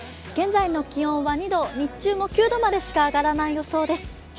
現在の気温は２度、日中も９度までしか上がらない予想です。